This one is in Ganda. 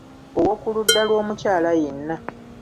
Ow’okuludda lw’omukyala yenna.